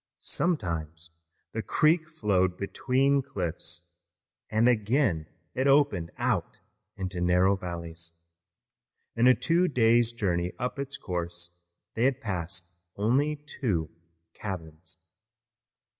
Sometimes the creek flowed between cliffs, and again it opened out into narrow valleys. In a two days' journey up its course they passed only two cabins.